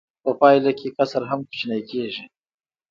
په پایله کې کسر هم کوچنی کېږي